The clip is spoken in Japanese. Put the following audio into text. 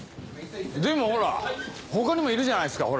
でもほら他にもいるじゃないっすか。